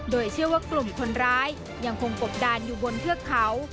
โดยเชื่อว่ากลุ่มคนร้ายยังคงกบดานอยู่บนเทือกเขา